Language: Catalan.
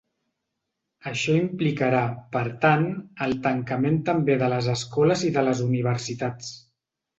Això implicarà, per tant, el tancament també de les escoles i de les universitats.